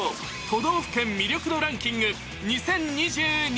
都道府県魅力度ランキング２０２２。